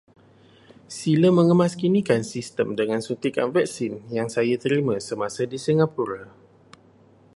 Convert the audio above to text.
Sila mengemaskinikan sistem dengan suntikan vaksin yang saya terima semasa di Singapura.